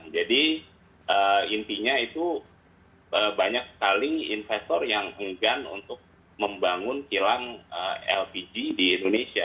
jadi intinya itu banyak sekali investor yang enggan untuk membangun kilang lpg di indonesia